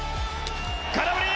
空振り！